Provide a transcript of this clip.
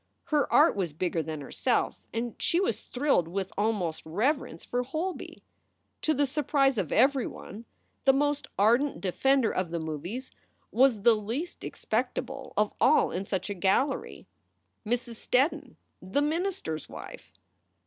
Her art was bigger than herself and she was thrilled with almost reverence for Holby. To the surprise of everyone, the most ardent defender of SOULS FOR SALE 251 the movies was the least expectable of all in such a gallery Mrs. Steddon, the minister s wife.